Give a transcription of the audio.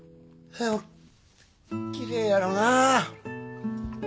きれいやろな。